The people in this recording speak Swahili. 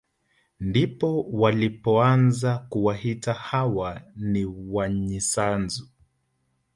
Ndipo walipoanza kuwaita hawa ni wanyisanzu